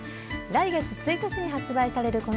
来月１日に発売される